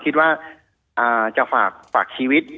คิดว่าจะฝากชีวิต